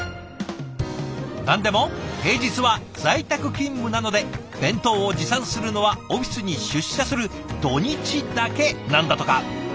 何でも平日は在宅勤務なので弁当を持参するのはオフィスに出社する土日だけなんだとか。